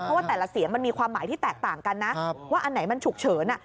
เพราะว่าแต่ละเสียงมันมีความหมายที่แตกต่างกันนะว่าอันไหนมันฉุกเฉิน